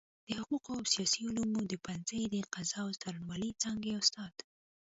د حقوقو او سياسي علومو د پوهنځۍ د قضاء او څارنوالۍ څانګي استاد